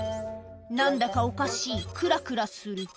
何だかおかしいクラクラする」